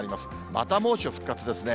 また猛暑復活ですね。